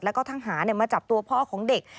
และก็ทั้งหามาจับตัวพ่อของเด็ก